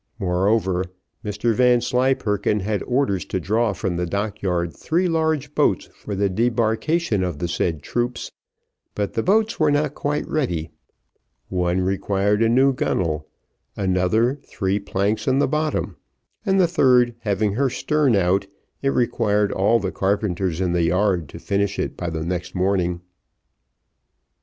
Moreover, Mr Vanslyperken had orders to draw from the dock yard three large boats for the debarkation of the said troops; but the boats were not quite ready, one required a new gunnel, another three planks in the bottom, and the third having her stern out, it required all the carpenters in the yard to finish it by the next morning.